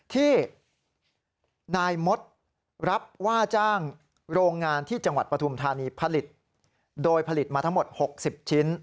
ที่นายมดรับว่าจ้างโรงงานที่จังหวัดปฐุมธานีผลิตโดยผลิตมาทั้งหมด๖๐ชิ้น